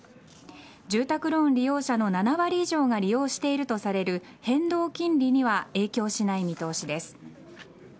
住宅ローン利用者の７割以上が利用しているとされる変動金利には影響しない見通しです。